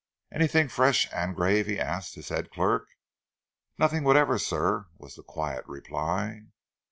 "Anything fresh, Angrave?" he asked his head clerk. "Nothing whatever, sir," was the quiet reply.